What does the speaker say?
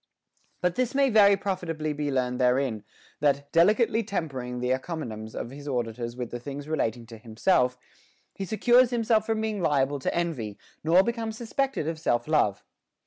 9. But this may very profitably be learned therein, that, delicately tempering the encomiums of his auditors with the things relating to himself, he secures himself from being liable to envy, nor becomes suspected of self love.